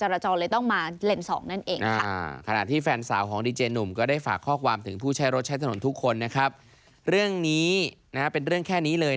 เรื่องนี้นะฮะเป็นเรื่องแค่นี้เลย